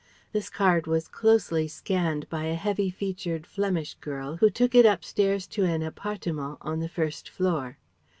This card was closely scanned by a heavy featured Flemish girl who took it upstairs to an appartement on the first floor.